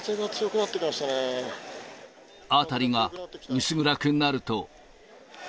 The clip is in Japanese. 辺りが薄暗くなると。